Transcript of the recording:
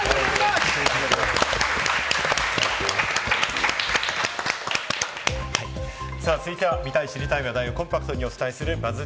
はい、続いては見たい知りたい話題をコンパクトにお伝えするＢＵＺＺ